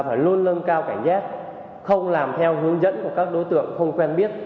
phải luôn lân cao cảnh giác không làm theo hướng dẫn của các đối tượng không quen biết